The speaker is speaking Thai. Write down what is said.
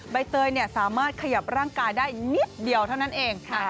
ใบเตยสามารถขยับร่างกายได้นิดเดียวเท่านั้นเองค่ะ